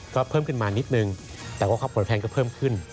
ก็เพิ่มขึ้นมานิดนึงแต่ว่าค่าผลแทนก็เพิ่มขึ้น